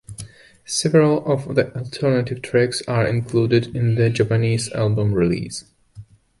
Several of the alternative tracks are included on the "Japanese Album" release.